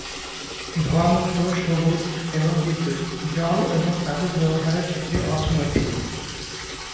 ধোঁয়া-মুক্ত, সবুজ, এবং বিদ্যুত, জল এবং কাগজ ব্যবহারের ক্ষেত্রে অর্থনৈতিক।